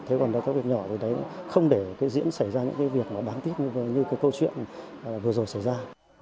thế còn các việc nhỏ thì không để diễn xảy ra những việc bán tiếp như câu chuyện vừa rồi xảy ra